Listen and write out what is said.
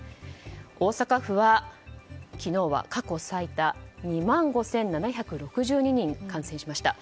大阪府は昨日は過去最多２万５７６２人感染しました。